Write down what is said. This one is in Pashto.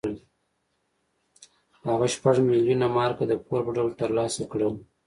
هغه شپږ میلیونه مارکه د پور په ډول ترلاسه کړل.